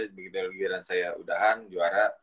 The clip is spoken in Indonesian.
begitu giliran saya udahan juara